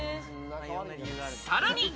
さらに。